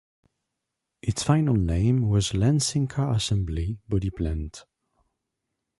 Its final name was Lansing Car Assembly - Body Plant.